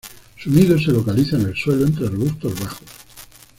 Su nido se localiza en el suelo, entre arbustos bajos.